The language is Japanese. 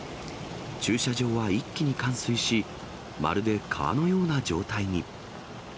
駐車場は一気に冠水し、まるで川のような状態に。